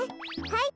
はい。